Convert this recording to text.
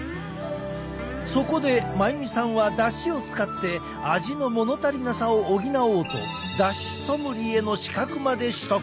そこで真由美さんはだしを使って味のものたりなさを補おうとだしソムリエの資格まで取得。